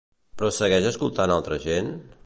Però segueix escoltant altra gent?